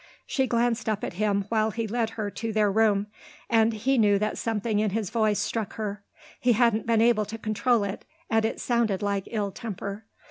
She glanced up at him while he led her to their room and he knew that something in his voice struck her; he hadn't been able to control it and it sounded like ill temper.